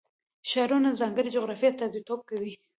ښارونه د ځانګړې جغرافیې استازیتوب کوي.